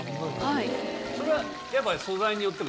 それはやっぱ。